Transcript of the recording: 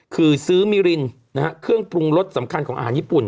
คือซื้อมิรินเครื่องปรุงรสสำคัญของอาหารญี่ปุ่น